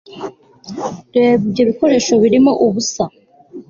reba ibyo bikoresho birimo ubusa